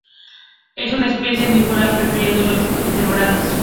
Es una especie omnívora, prefiriendo los invertebrados.